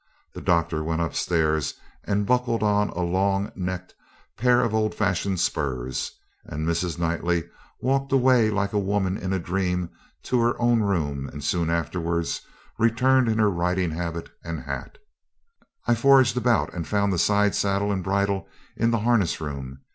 The doctor went upstairs, and buckled on a long necked pair of old fashioned spurs, and Mrs. Knightley walked away like a woman in a dream to her own room, and soon afterwards returned in her riding habit and hat. I foraged about and found the side saddle and bridle in the harness room.